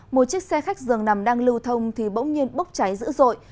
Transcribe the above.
một chiếc xe khách dường nằm đang lưu thông thì bỗng nhiên bốc cháy dữ dội